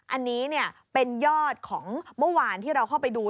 อันนี้เป็นยอดของเมื่อวานที่เราเข้าไปดู